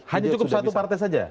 hanya cukup satu partai saja